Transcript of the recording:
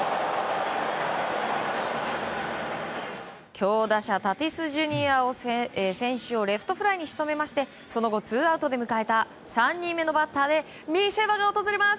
強打者タティスＪｒ．選手をレフトフライに仕留めましてその後ツーアウトで迎えた３人目のバッターで見せ場が訪れます。